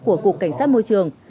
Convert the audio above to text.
của cục cảnh sát môi trường